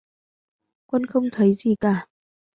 Quân không thấy gì cả